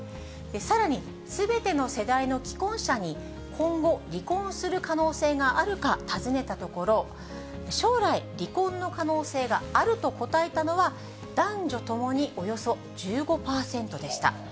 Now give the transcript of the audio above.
さらにすべての世代の既婚者に、今後、離婚する可能性があるか尋ねたところ、将来、離婚の可能性があると答えたのは、男女ともにおよそ１５％でした。